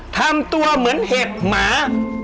ทำตัวเหมือนเห็บหมา